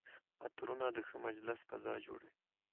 عطرونه د ښه مجلس فضا جوړوي.